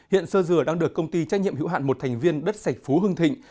hiện sơ dừa đang được công ty trách nhiệm hữu hạn một thành viên đất sạch phú hưng thịnh